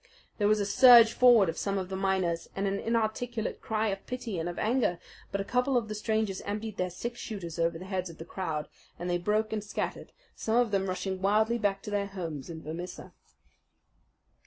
There was a surge forward of some of the miners, and an inarticulate cry of pity and of anger; but a couple of the strangers emptied their six shooters over the heads of the crowd, and they broke and scattered, some of them rushing wildly back to their homes in Vermissa.